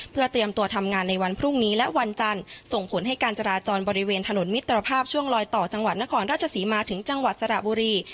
เพื่อเตรียมตัวทำงานในวันพรุ่งนี้และวันจันทร์ส่งผลให้การจราจรบริเวณถนนมิตรภาพช่วงลอยต่อจังหวัดนครราชศรีมาถึงจังหวัดสระบุรี